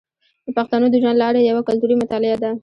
د پښتنو د ژوند لاره یوه کلتوري مطالعه ده.